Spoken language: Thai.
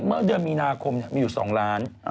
เมื่อเดือนมีนาคมมีอยู่๒ล้าน